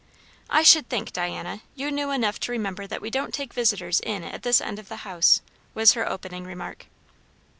"I should think, Diana, you knew enough to remember that we don't take visitors in at this end of the house," was her opening remark.